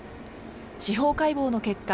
司法解剖の結果